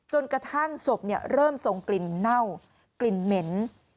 จนกระทั่งศพเริ่มทรงกลิ่นเน่ากลิ่นเหม็น